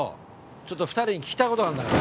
ちょっと２人に聞きたいことがあるんだけど。